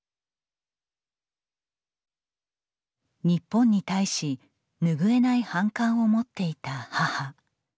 日本に対し拭えない反感を持っていた母。